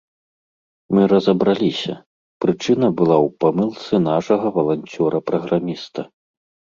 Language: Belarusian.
Мы разабраліся: прычына была ў памылцы нашага валанцёра-праграміста.